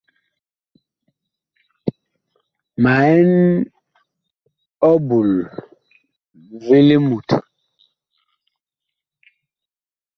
Ma ɛn ɔbul vi limut.